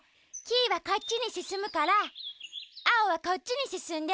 キイはこっちにすすむからアオはこっちにすすんで。